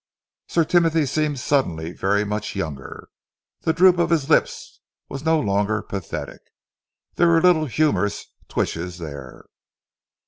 Sir Timothy seemed suddenly very much younger. The droop of his lips was no longer pathetic. There was a little humourous twitch there.